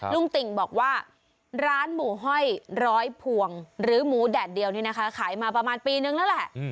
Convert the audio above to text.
ติ่งบอกว่าร้านหมูห้อยร้อยพวงหรือหมูแดดเดียวนี่นะคะขายมาประมาณปีนึงแล้วแหละ